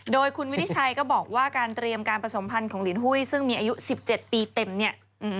โดยคุณวิริชัยก็บอกว่าการเตรียมการผสมพันธ์ของลินหุ้ยซึ่งมีอายุ๑๗ปีเต็มเนี่ย